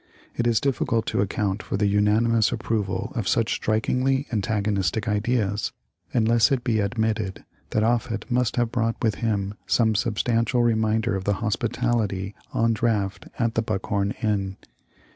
It is difficult to account for the unanimous approval of such strikingly antagonistic ideas, unless it be admitted that Offut must have brought with him some sub stantial reminder of the hospitality on draught at the " Buckhorn " inn.